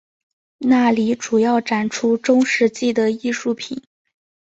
那里主要展出中世纪的艺术品。